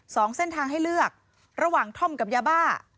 สองเส้นทางให้เลือกระหว่างท่อมกับยาบ้า